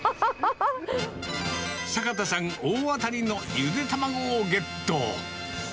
坂田さん、大当たりのゆで卵をゲット。